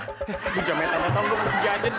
hujan metal metal lu hujan aja deh